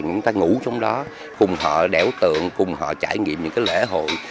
chúng ta ngủ trong đó cùng họ đẻo tượng cùng họ trải nghiệm những cái lễ hội